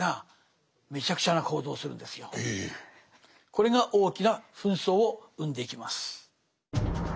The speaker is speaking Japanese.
これが大きな紛争を生んでいきます。